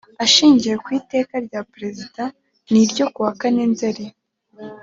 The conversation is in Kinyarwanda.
ashingiye ku iteka ry perezida no ryo kuwakane nzeri